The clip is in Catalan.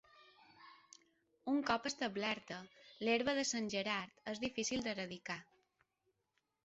Un cop establerta, l'herba de Sant Gerard és difícil d'eradicar.